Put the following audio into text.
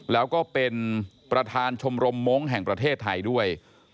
แล้วก็เป็นประธานชมรมมงค์แห่งประเทศไทยด้วย